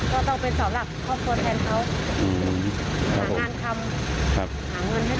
ก็ต้องเป็นเสาหลักครอบครัวแทนเขา